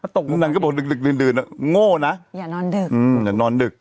ถ้าตกนางก็ตกดึกดึกดื่นดื่นอะโง่นะอย่านอนดึกอืมอย่านอนดึก